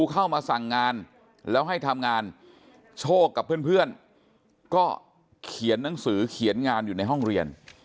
เข้ามาสั่งงานแล้วให้ทำงานโชคกับเพื่อนก็เขียนหนังสือเขียนงานอยู่ในห้องเรียน